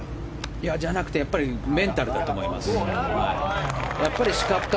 じゃなくてメンタルだと思います。